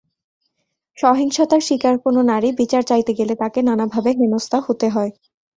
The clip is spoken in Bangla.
সহিংসতার শিকার কোনো নারী বিচার চাইতে গেলে তাঁকে নানাভাবে হেনস্তা হতে হয়।